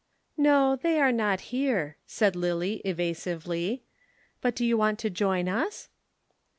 "No, they are not here," said Lillie evasively. "But do you want to join us?"